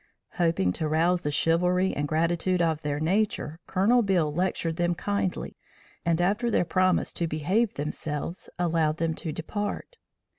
Hoping to rouse the chivalry and gratitude of their nature, Colonel Beale lectured them kindly and after their promise to behave themselves, allowed them to depart.